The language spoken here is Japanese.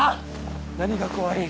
何が怖い？